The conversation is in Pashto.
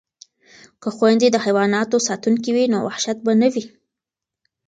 که خویندې د حیواناتو ساتونکې وي نو وحشت به نه وي.